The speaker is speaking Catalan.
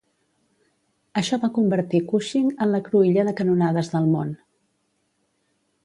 Això va convertir Cushing en la cruïlla de canonades del món.